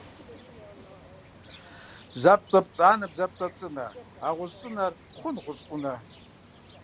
Бдзапцӏэ пцӏанэ бдзапцӏэ цӏынэ, а гъущӏ цӏынэр хъун гъущӏ ӏунэ?